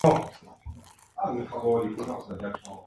Tiene dos hijos, David y Galilea.